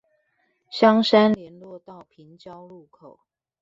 香山聯絡道平交路口